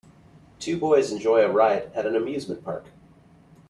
Two boys enjoy a ride at an amusement park.